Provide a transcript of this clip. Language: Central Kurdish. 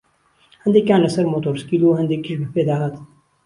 هەندێکیان لەسەر مۆتۆرسکیل و هەندێکیش بەپێ دەهاتن